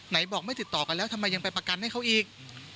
บอกไม่ติดต่อกันแล้วทำไมยังไปประกันให้เขาอีก